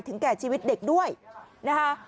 แก่ชีวิตเด็กด้วยนะคะ